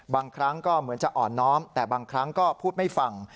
บางครั้งก็เหมือนจะอ่อนน้อมแต่บางครั้งก็พูดไม่ฟัง